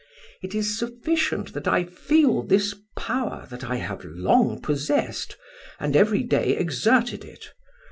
It is sufficient that I feel this power that I have long possessed, and every day exerted it.